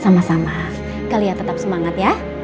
sama sama kalian tetap semangat ya